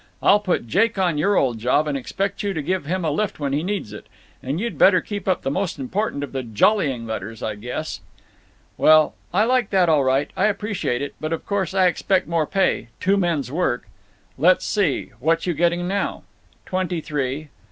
I'll put Jake on your old job, and expect you to give him a lift when he needs it. And you'd better keep up the most important of the jollying letters, I guess." "Well, I like that all right. I appreciate it. But of course I expect more pay—two men's work—" "Let's see; what you getting now?" "Twenty three."